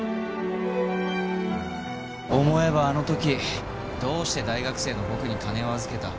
思えばあの時どうして大学生の僕に金を預けた？